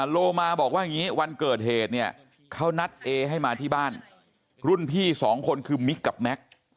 โลมาบอกว่าวันเกิดเหตุเขานัดเอให้มาที่บ้านรุ่นพี่สองคนคือมิกกับแม็ก